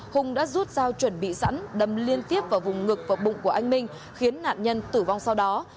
hùng đã rút dao chuẩn bị sẵn đâm liên tiếp vào vùng ngực và bụng của anh minh khiến nạn nhân tử vong sau đó